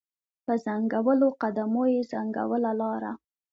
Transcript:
په ځنګولو قدمو یې ځنګوله لاره